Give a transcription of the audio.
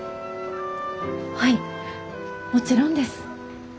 はいもちろんです。